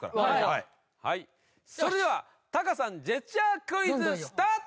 はいそれではタカさんジェスチャークイズスタート！